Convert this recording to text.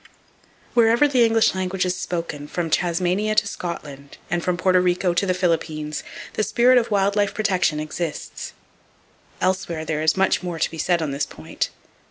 Wherever the English language is spoken, from Tasmania to Scotland, and from Porto Rico to the Philippines, the spirit of wild life protection exists. Elsewhere there is much more to be said on this point.